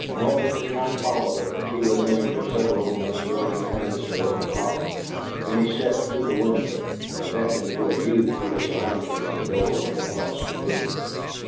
Norbert did not follow her; he remained for several moments looking earnestly at the palms; then he stepped through the window and beckoned to a youth who was lounging in the doorway across the room.